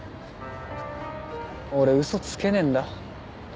俺嘘つけねえんだ。